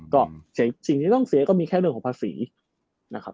ก็สิ่งที่ต้องเสียก็มีแค่เรื่องของภาษีนะครับ